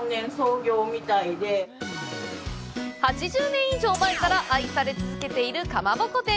８０年以上前から愛され続けているかまぼこ店。